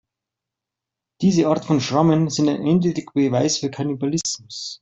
Diese Art von Schrammen sind ein eindeutiger Beweis für Kannibalismus.